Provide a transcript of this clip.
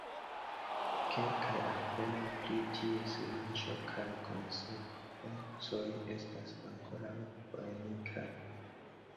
Kelkaj aferoj pri ties lanĉo kaj konsekvencoj estas ankoraŭ polemikaj.